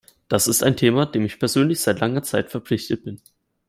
Das ist ein Thema, dem ich persönlich seit langer Zeit verpflichtet bin.